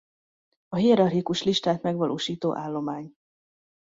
A hierarchikus listát megvalósító állomány.